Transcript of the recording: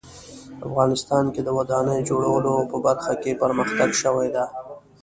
افغانستان کې د ودانیو جوړولو په برخه کې پرمختګ شوی ده